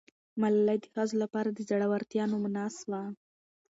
ملالۍ د ښځو لپاره د زړه ورتیا نمونه سوه.